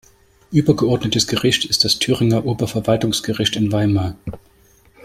Übergeordnetes Gericht ist das Thüringer Oberverwaltungsgericht in Weimar.